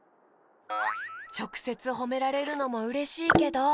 ちょくせつほめられるのもうれしいけど。